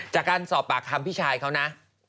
จากการสอบปากคำพี่ชายเขานะ